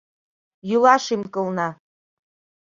Йӱла шӱм-кылна.